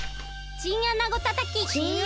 チンアナゴたたき？